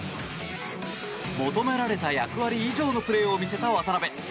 求められた役割以上のプレーを見せた渡邊。